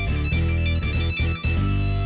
hati hati di jalan